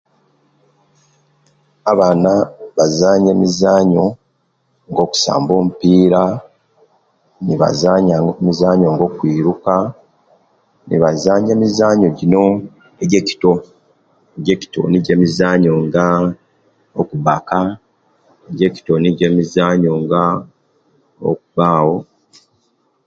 Abaana bazaanya emizaanyo nga okusamba omupira, nibazaanya emizaanyo nga okwiruka, nibazaanya emizaanyo jino ejekito; ejekito nijo emizaanyo nga okubaka ejekito emizaanyo nga emizaanyo nga okubaawo.